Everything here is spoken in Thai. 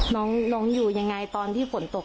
น้องอยู่ยังไงตอนที่ฝนตก